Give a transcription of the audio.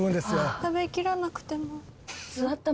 食べきらなくても。